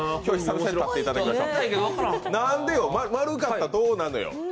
丸かったらどうなのよ。